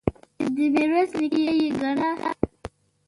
د میرویس نیکه یې ګڼله.